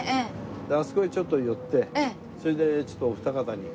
あそこへちょっと寄ってそれでちょっとお二方に。